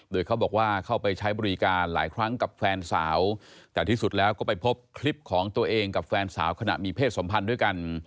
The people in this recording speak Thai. โดยเขาบอกว่าเข้าไปใช้บริการหลายครั้งกับแฟนสาวแต่ที่สุดแล้วก็ไปพบคลิปของตัวเองกับแฟนสาวขณะมีเพศสัมพันธ์ด้วยกัน